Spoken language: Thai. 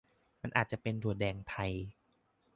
มันอาจจะเป็นถั่วแดงไทย